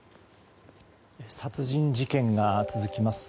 殺人事件が続きます。